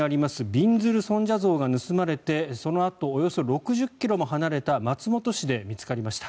びんずる尊者像が盗まれてそのあとおよそ６０ｋｍも離れた松本市で見つかりました。